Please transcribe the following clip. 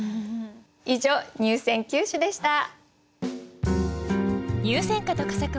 以上入選九首でした。